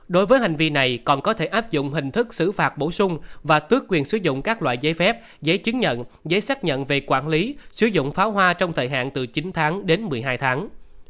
đối với hành vi này còn có thể áp dụng hình thức xử phạt bổ sung và tước quyền sử dụng các loại giấy phép giấy chứng nhận giấy xác nhận về quản lý sử dụng pháo hoa trong thời hạn từ chín tháng đến một mươi hai tháng